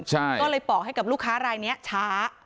ก็เลยบอกให้กับลูกค้ารายนี้ช้า